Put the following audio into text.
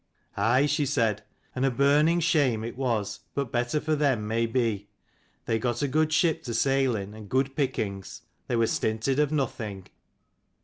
" Aye," she said, " and a burning shame it was : but better for them maybe. They got a good ship to sail in, and good pickings. They were stinted of nothing."